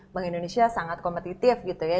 bank indonesia sangat kompetitif gitu ya